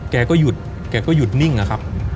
แกก็หยุดแกก็หยุดนิ่งอะครับ